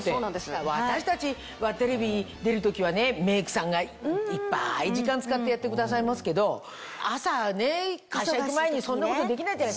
私たちはテレビ出る時はねメイクさんがいっぱい時間使ってやってくださいますけど朝会社行く前にそんなことできないじゃない。